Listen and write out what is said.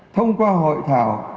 thông qua hội thảo